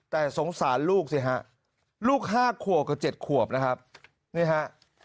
แต่สงสารลูกสิฮะลูก๕ขวบกับ๗ขวบนะครับนี่ฮะ